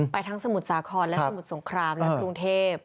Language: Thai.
ทั้งสมุทรสาครและสมุทรสงครามและกรุงเทพ